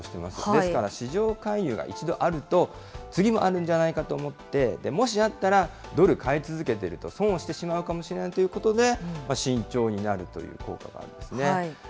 ですから、市場介入が一度あると、次もあるんじゃないかと思って、もしなったら、ドル買い続けたら損をしてしまうかもしれないということで、慎重になるという効果があるんですね。